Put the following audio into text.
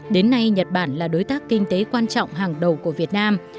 đến nay nhật bản là đối tác kinh tế quan trọng hàng đầu của việt nam